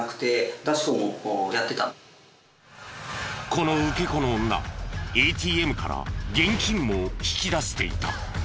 この受け子の女ＡＴＭから現金も引き出していた。